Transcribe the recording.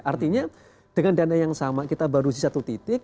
artinya dengan dana yang sama kita baru di satu titik